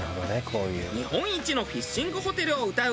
「日本一のフィッシングホテル」をうたう